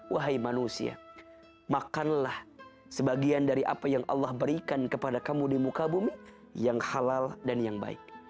wahai manusia makanlah sebagian dari apa yang allah berikan kepada kamu di muka bumi yang halal dan yang baik